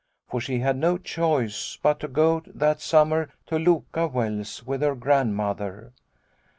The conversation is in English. For she had no choice but to go that summer to Loka Wells with her Grandmother.